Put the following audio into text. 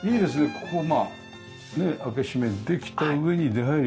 ここ開け閉めできた上に出入りもできると。